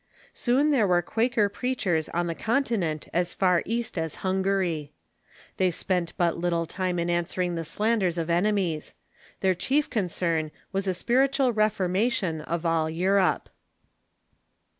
Soon there were Quaker preachers on the Continent as far east as Hungary. They spent but little time in answering the slanders of enemies. Their chief concern was a spiritual reformation of all Europe.